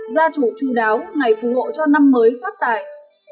gia chủ chú đáo ngày phù hộ cho năm mới phát tại